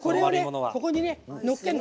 ここにね、のっけるの。